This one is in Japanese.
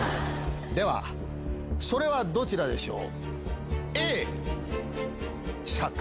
ではそれはどちらでしょう？